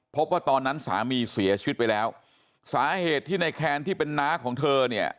พบว่าตอนนั้นสามีเสียชีวิตไปแล้วสาเหตุที่ในแคนที่เป็นน้าของเธอเนี่ย